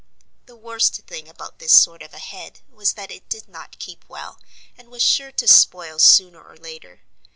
The worst thing about this sort of a head was that it did not keep well and was sure to spoil sooner or later.